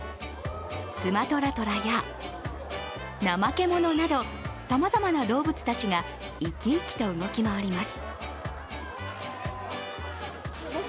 スマトラトラやナマケモノなど、さまざまな動物たちが生き生きと動き回ります。